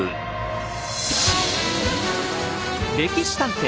「歴史探偵」